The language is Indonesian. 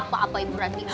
apa apa ibu ranti